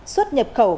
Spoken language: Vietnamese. xuất nhập khẩu